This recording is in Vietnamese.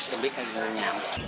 em biết hai người nhà